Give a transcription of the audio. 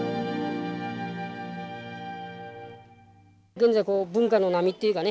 現在文化の波っていうかね